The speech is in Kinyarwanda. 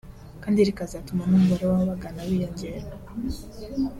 kandi rikazatuma n’ umubare w’ababagana wiyongera